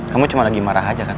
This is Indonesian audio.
kamu cuma lagi marah aja kan